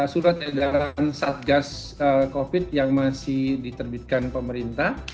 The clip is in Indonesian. surat yang diadakan saat gas covid sembilan belas yang masih diterbitkan pemerintah